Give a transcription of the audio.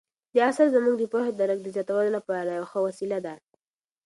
دا اثر زموږ د پوهې او درک د زیاتولو لپاره یوه ښه وسیله ده.